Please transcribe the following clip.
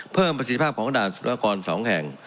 เพิ่มประสิทธิภาพของศัตรูคอากรสองแห่ง